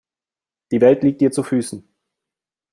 Die Welt liegt dir zu Füßen.